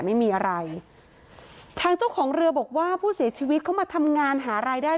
พ่อแม่มาเห็นสภาพศพของลูกร้องไห้กันครับขาดใจ